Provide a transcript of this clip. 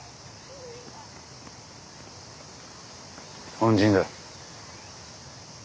恩人だ。